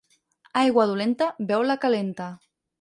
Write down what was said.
Aigua dolenta, beu-la calenta.